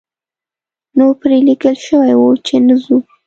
نو پرې لیکل شوي وو چې نه ځو.